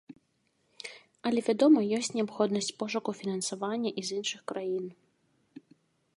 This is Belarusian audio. Але, вядома, ёсць неабходнасць пошуку фінансавання і з іншых краін.